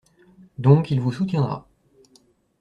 Donc, il vous soutiendra.